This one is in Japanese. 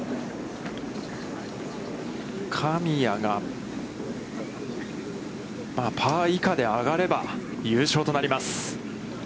神谷が、パー以下で上がれば、優勝となります。